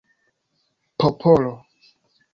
popolo